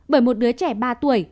bởi một đứa trẻ ba tuổi